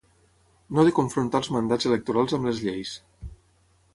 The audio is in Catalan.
No de confrontar els mandats electorals amb les lleis.